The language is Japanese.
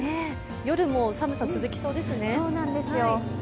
夜も寒さが続きそうですね。